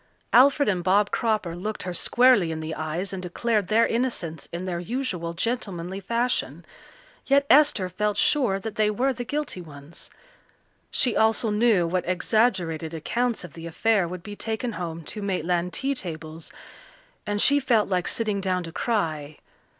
Alfred and Bob Cropper looked her squarely in the eyes and declared their innocence in their usual gentlemanly fashion, yet Esther felt sure that they were the guilty ones. She also knew what exaggerated accounts of the affair would be taken home to Maitland tea tables, and she felt like sitting down to cry.